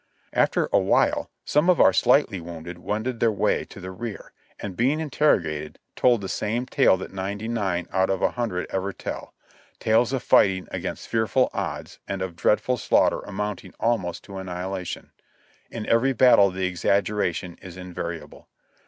After a while some of our slightly wounded wended their way to the rear, and being interrogated, told the same tale that ninety nine out of a hundred ever tell, — tales of fighting against fearful odds and of dreadful slaughter amounting almost to annihilation. In every battle the exaggeration is invariable.